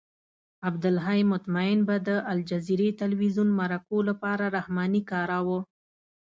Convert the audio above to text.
عبدالحی مطمئن به د الجزیرې تلویزیون مرکو لپاره رحماني کاراوه.